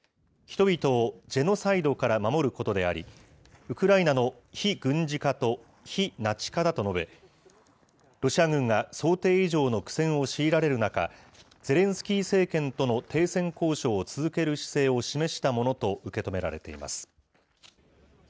人々をジェノサイドから守ることであり、ウクライナの非軍事化と非ナチ化だと述べ、ロシア軍が想定以上の苦戦を強いられる中、ゼレンスキー政権との停戦交渉を続ける姿勢を示したものと受け止められています。